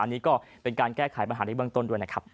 อันนี้ก็เป็นการแก้ไขปัญหาในเบื้องต้นด้วยนะครับ